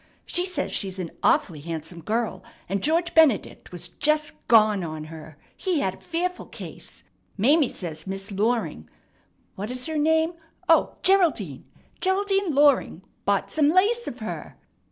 She says she's an awfully handsome girl, and George Benedict was just gone on her. He had a fearful case. Mame says Miss Loring what is her name? O, Geraldine Geraldine Loring bought some lace of her.